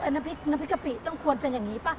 น้ำพริกกะปิต้องควรเป็นอย่างนี้ป่ะ